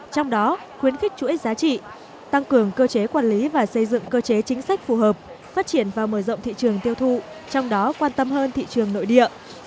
trong đó khuyến khích chuỗi giá trị tăng cường cơ chế quản lý và xây dựng cơ chế chính sách phù hợp phát triển và mở rộng thị trường tiêu thụ trong đó quan tâm hơn thị trường nội địa